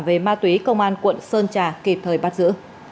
về ma túy công an quận sơn trà kịp thời bắt giữ